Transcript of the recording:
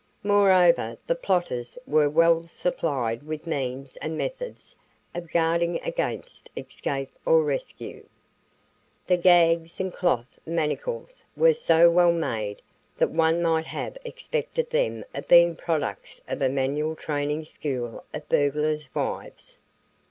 Moreover, the plotters were well supplied with means and methods of guarding against escape or rescue. The gags and cloth manacles were so well made that one might have suspected them of being products of a manual training school of burglars' wives.